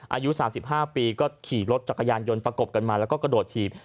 อายุ๓๕ปีก็ขี่รถจักรยานยนต์ประกบกันมาแล้วก็กระโดดถีบ